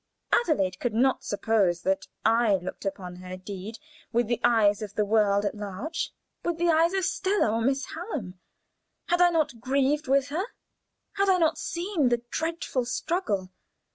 Adelaide could not suppose that I looked upon her deed with the eyes of the world at large with the eyes of Stella or Miss Hallam. Had I not grieved with her? Had I not seen the dreadful struggle?